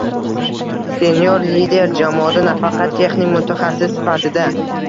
Senior lider jamoada nafaqat texnik mutaxassis sifatida